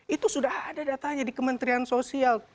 itu sudah ada datanya di kementerian sosial